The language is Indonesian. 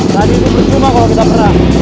tadi itu bercuma kalo kita perang